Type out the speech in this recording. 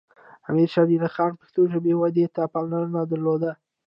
امیر شیر علی خان پښتو ژبې ودې ته پاملرنه درلوده.